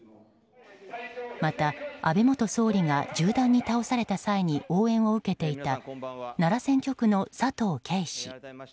また、安倍元総理が銃弾に倒された際に応援を受けていた奈良選挙区の佐藤啓氏。